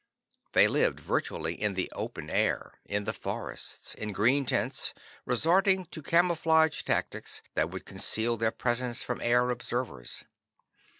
They lived virtually in the open air, in the forests, in green tents, resorting to camouflage tactics that would conceal their presence from air observers.